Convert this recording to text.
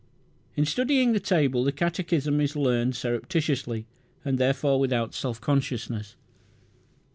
In studying the table the catechism is learned surreptitiously, and therefore without self consciousness.